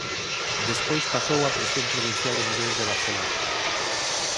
Despois pasou á Prisión Provincial de Mulleres de Barcelona.